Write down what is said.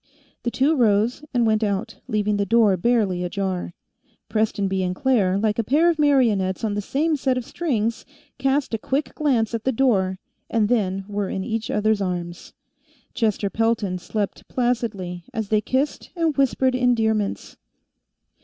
The two rose and went out, leaving the door barely ajar. Prestonby and Claire, like a pair of marionettes on the same set of strings, cast a quick glance at the door and then were in each other's arms. Chester Pelton slept placidly as they kissed and whispered endearments.